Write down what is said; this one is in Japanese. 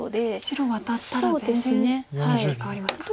白ワタったら全然雰囲気変わりますか。